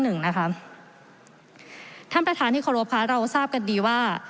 หนึ่งนะคะท่านประธานที่โครงพลาดเราทราบกันดีว่า